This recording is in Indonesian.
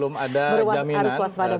belum ada jaminan